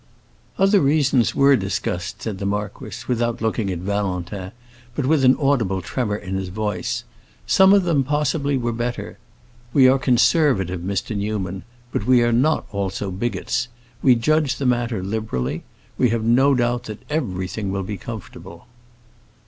'" "Other reasons were discussed," said the marquis, without looking at Valentin, but with an audible tremor in his voice; "some of them possibly were better. We are conservative, Mr. Newman, but we are not also bigots. We judged the matter liberally. We have no doubt that everything will be comfortable."